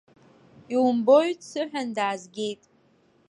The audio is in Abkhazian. Иумбои, дсыҳәан, даазгеит.